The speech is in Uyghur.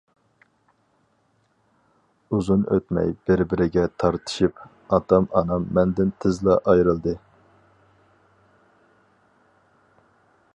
ئۇزۇن ئۆتمەي بىر-بىرىگە تارتىشىپ، ئاتا-ئانام مەندىن تېزلا ئايرىلدى.